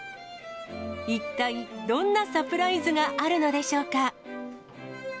一体、どんなサプライズがあるのでしょうか。